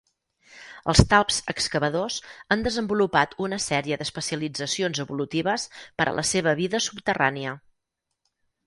Els talps excavadors han desenvolupat una sèrie d'especialitzacions evolutives per a la seva vida subterrània.